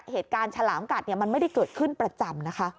เหตุการณ์ฉลามกัดมันไม่ได้เกิดขึ้นประจำนะครับ